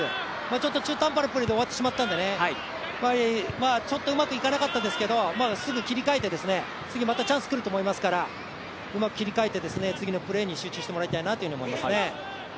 ちょっと中途半端なプレーで終わってしまったのでちょっとうまくいかなかったですけどすぐ切り替えて次またチャンスが来ると思いますから、うまく切り替えて次のプレーに集中してもらいたいなと思います。